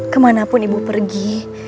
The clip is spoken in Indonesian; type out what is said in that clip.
kemanapun ibu pergi